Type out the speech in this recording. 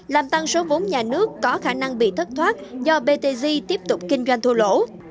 làm tăng số vốn nhà nước có khả năng bị thất thoát do btg tiếp tục kinh doanh thua lỗ